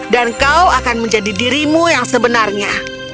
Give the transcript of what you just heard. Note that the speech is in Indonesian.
dan kau akan menjadi dirimu yang sebenarnya